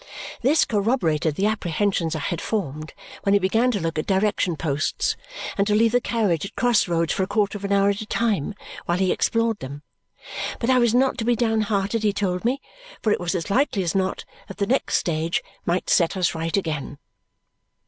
This corroborated the apprehensions I had formed, when he began to look at direction posts, and to leave the carriage at cross roads for a quarter of an hour at a time while he explored them. But I was not to be down hearted, he told me, for it was as likely as not that the next stage might set us right again.